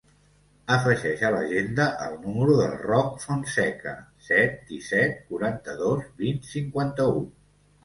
Afegeix a l'agenda el número del Roc Fonseca: set, disset, quaranta-dos, vint, cinquanta-u.